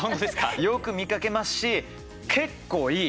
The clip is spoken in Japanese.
よく見かけますし、結構いい。